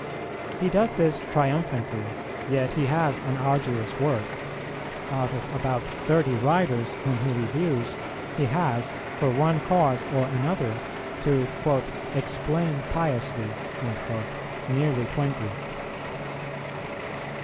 He does this triumphantly, yet he has an arduous work; out of about thirty writers whom he reviews, he has, for one cause or other, to "explain piously" nearly twenty.